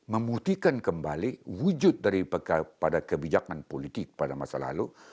memuktikan kembali wujud dari pada kebijakan politik pada masa lalu